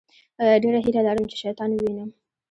ډېره هیله لرم چې شیطان ووينم.